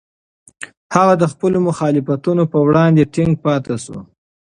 هغه د خپلو مخالفتونو په وړاندې ټینګ پاتې شو.